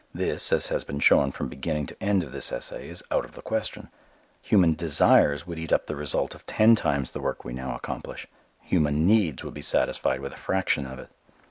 This, as has been shown from beginning to end of this essay, is out of the question. Human desires would eat up the result of ten times the work we now accomplish. Human needs would be satisfied with a fraction of it.